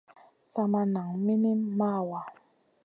Sa maʼa nan minim mawaa.